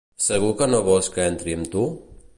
Segur que no vols que entri amb tu?